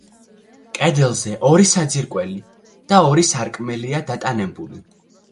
კედელზე ორი საძირკველი და ორი სარკმელია დატანებული.